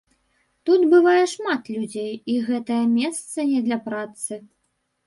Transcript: Тут бывае шмат людзей, і гэтае месца не для працы.